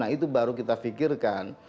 nah itu baru kita pikirkan